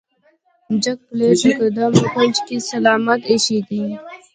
جک پلیټ د ګدام په کونج کې سلامت ایښی دی.